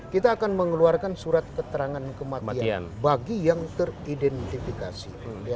kita akan mengeluarkan surat keterangan kematian bagi yang teridentifikasi